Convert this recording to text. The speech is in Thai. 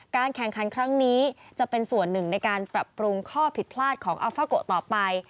แข่งขันครั้งนี้จะเป็นส่วนหนึ่งในการปรับปรุงข้อผิดพลาดของอัลฟาโกต่อไป